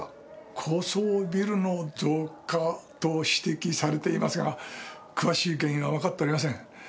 高層ビルの増加と指摘されていますが詳しい原因はわかっておりません。